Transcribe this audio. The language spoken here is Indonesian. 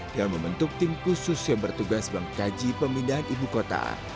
dengan membentuk tim khusus yang bertugas mengkaji pemindahan ibu kota